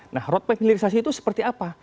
nah roadmap hilirisasi itu seperti apa